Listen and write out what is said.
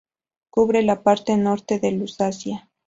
Cubre la parte norte de Lusacia.